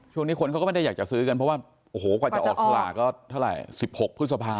คนเขาก็ไม่ได้อยากจะซื้อกันเพราะว่าโอ้โหกว่าจะออกสลากก็เท่าไหร่๑๖พฤษภา